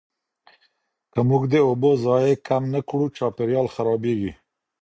که موږ د اوبو ضایع کم نه کړو، چاپیریال خرابېږي.